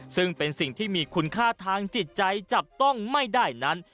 ซึ่งเป็นสิ่งที่มีคุณค่าทางจิตใจจับต้องไม่ได้นั้น